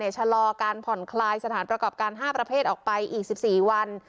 ชะลอการผ่อนคลายสถานประกอบการ๕ประเภทออกไปอีก๑๔วัน